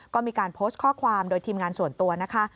ก็มีการโพสต์ข้อความโดยทีมงานส่วนตัวนะคะ